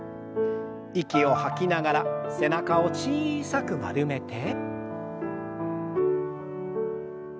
息を吐きながら背中を小さく丸めて。